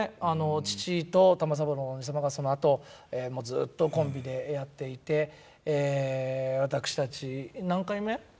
父と玉三郎のおじ様がそのあとずっとコンビでやっていて私たち何回目？